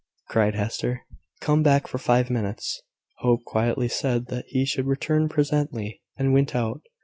cried Hester. "Come back for five minutes!" Hope quietly said that he should return presently, and went out.